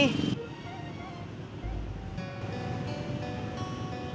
gak jauh dari sini